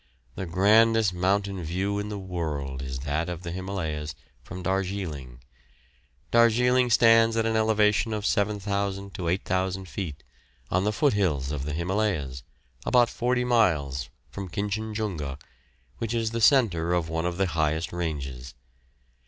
The grandest mountain view in the world is that of the Himalayas, from Darjeeling. Darjeeling stands at an elevation of 7,000 to 8,000 feet, on the foot hills of the Himalayas, about forty miles from "Kinchin Junga," which is the centre of one of the highest ranges.